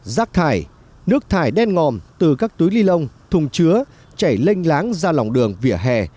rác thải nước thải đen ngòm từ các túi ly lông thùng chứa chảy lênh láng ra lòng đường vỉa hè